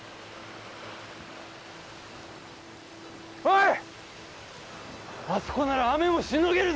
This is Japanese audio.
おい！